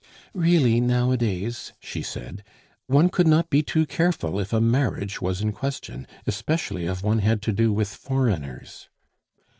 "Really, nowadays" (she said), "one could not be too careful if a marriage was in question, especially if one had to do with foreigners."